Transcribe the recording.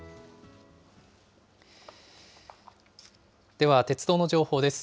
では、鉄道の情報です。